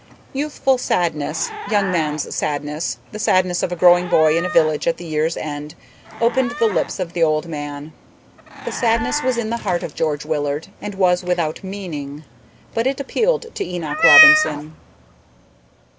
Youthful sadness, young man's sadness, the sadness of a growing boy in a village at the year's end, opened the lips of the old man. The sadness was in the heart of George Willard and was without meaning, but it appealed to Enoch Robinson.